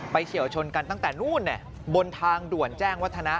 เฉียวชนกันตั้งแต่นู้นบนทางด่วนแจ้งวัฒนะ